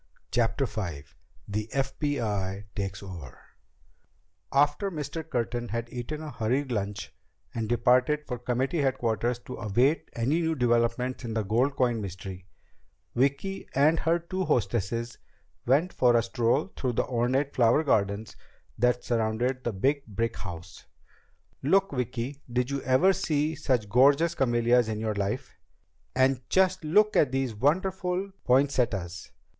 CHAPTER V The FBI Takes Over After Mr. Curtin had eaten a hurried lunch and departed for committee headquarters to await any new developments in the gold coin mystery, Vicki and her two hostesses went for a stroll through the ornate flower gardens that surrounded the big brick house. "Look, Vicki. Did you ever see such gorgeous camellias in your life? And just look at these wonderful poinsettias.